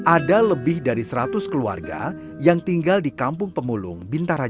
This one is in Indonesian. ada lebih dari seratus keluarga yang tinggal di kampung pemulung bintara